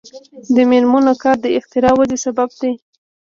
د میرمنو کار د اختراع ودې سبب دی.